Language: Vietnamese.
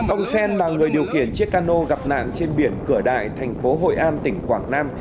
ông xen là người điều khiển chiếc cano gặp nạn trên biển cửa đại thành phố hội an tỉnh quảng nam